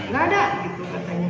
gak ada gitu katanya